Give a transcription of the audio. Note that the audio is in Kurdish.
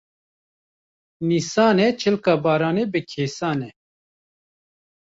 Nîsan e çilka baranê bi kêsane